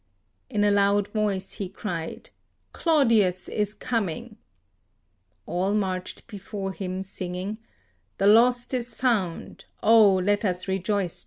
In a loud voice he cried, "Claudius is coming!" All marched before him singing, "The lost is found, O let us rejoice together!"